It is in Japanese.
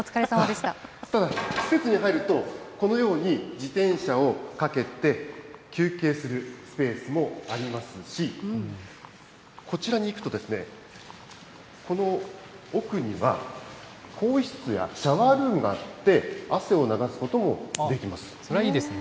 ただ、施設に入るとこのように、自転車をかけて、休憩するスペースもありますし、こちらに行くと、この奥には、更衣室やシャワールームがあって汗を流すことそれはいいですね。